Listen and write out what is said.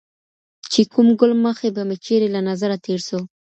چي کوم ګل مخى به مي چيري له تظره تېر سو